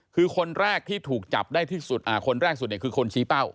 คือคนแรกที่ถูกจับได้ที่สุดคนแรกสุดเนี่ยคือคนชี้เป้า